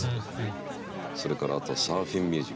それからあとサーフィンミュージック。